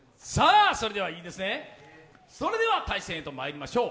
それではいいですね、対戦へとまいりましょう。